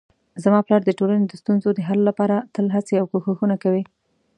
زما پلار د ټولنې د ستونزو د حل لپاره تل هڅې او کوښښونه کوي